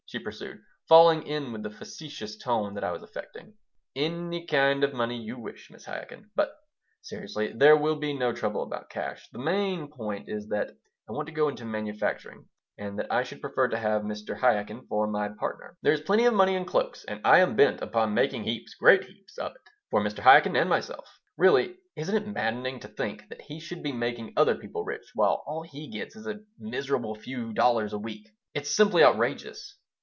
she pursued, falling in with the facetious tone that I was affecting "Any kind of money you wish, Mrs. Chaikin. But, seriously, there will be no trouble about cash. The main point is that I want to go into manufacturing and that I should prefer to have Mr. Chaikin for my partner. There is plenty of money in cloaks, and I am bent upon making heaps, great heaps, of it for Mr. Chaikin and myself. Really, isn't it maddening to think that he should be making other people rich, while all he gets is a miserable few dollars a week? It's simply outrageous."